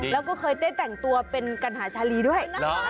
แล้วเขาเคยได้แต่งตัวกันหาชาลีด้วย